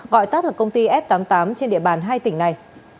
gọi tắt là công ty f tám mươi tám trên địa bàn hai tỉnh này